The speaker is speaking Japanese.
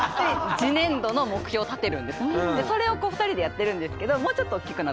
それを２人でやってるんですけどもうちょっとおっきくなったらね